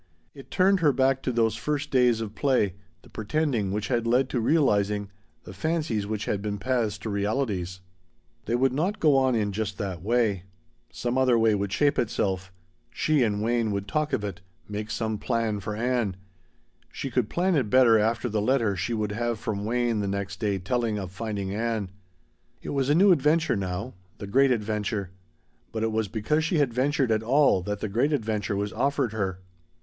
It turned her back to those first days of play the pretending which had led to realizing, the fancies which had been paths to realities. They would not go on in just that way; some other way would shape itself; she and Wayne would talk of it, make some plan for Ann. She could plan it better after the letter she would have from Wayne the next day telling of finding Ann. It was a new adventure now. The great adventure. But it was because she had ventured at all that the great adventure was offered her.